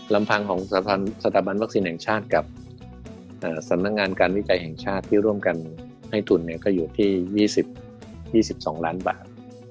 ลำพังของสถาบันวัคซีนแห่งชาติกับสำนักงานการวิจัยแห่งชาติที่ร่วมกันให้ทุนก็อยู่ที่๒๒ล้านบาท